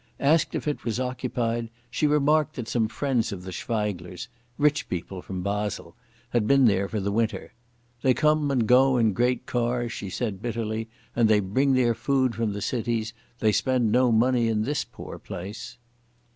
Asked if it was occupied, she remarked that some friends of the Schweiglers—rich people from Basle—had been there for the winter. "They come and go in great cars," she said bitterly, "and they bring their food from the cities. They spend no money in this poor place."